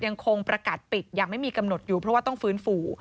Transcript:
ยังคงประกาศปิดอย่างไม่มีกำหนดอยู่เพราะว่าต้องฟื้นฟู